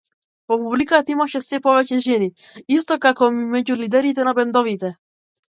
Во публиката има сѐ повеќе жени, исто како и меѓу лидерите на бендовите.